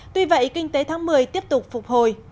tuy vậy kinh tế tháng một mươi tiếp tục phục hồi